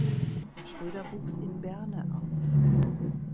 Schröder wuchs in Berne auf.